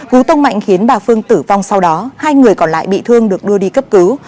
cú tông mạnh khiến bà phương tử vong sau đó hai người còn lại bị thương được đưa đi cấp cứu